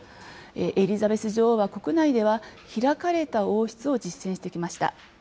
エリザベス女王は国内では開かれた王室を実践してきました。